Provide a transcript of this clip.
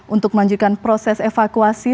untuk melanjutkan proses evakuasi